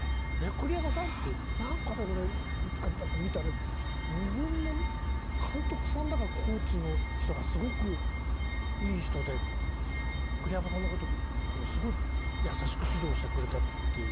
栗山さんってなんか俺いつか見たら２軍の監督さんだかコーチの人がすごくいい人で栗山さんの事すごい優しく指導してくれたって。